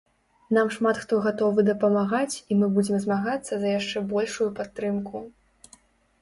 Нам шмат хто гатовы дапамагаць і мы будзем змагацца за яшчэ большую падтрымку.